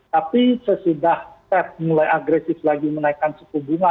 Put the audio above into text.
tapi sesudah fed mulai agresif lagi menaikkan suku bunga